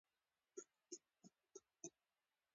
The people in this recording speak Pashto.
ځکه پر ادب باندې خو د ښځې تسلط نه و